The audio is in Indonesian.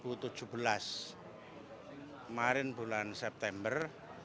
kemarin bulan september